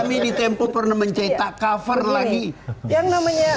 kami di tempuh pernah mencetak cover lagi